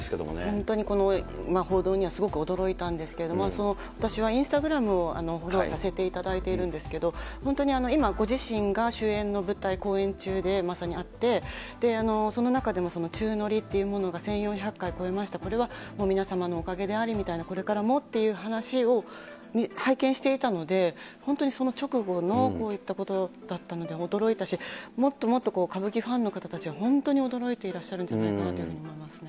本当にこの報道には、すごく驚いたんですけれども、私はインスタグラムをフォローさせていただいているんですけれども、本当に今、ご自身が主演の舞台公演中でまさにあって、で、その中でも、その宙乗りというものが１４００回超えました、これは皆様のおかげでありみたいな、これからもっていう話を拝見していたので、本当にその直後のこういったことだったので驚いたし、もっともっと歌舞伎ファンの方たちは本当に驚いていらっしゃるんじゃないかなというふうに思いますね。